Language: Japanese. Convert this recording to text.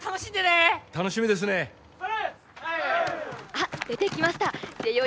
あっ出てきました星葉